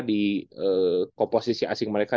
di komposisi asing mereka